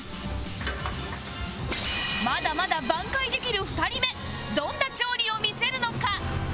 まだまだ挽回できる２人目どんな調理を見せるのか？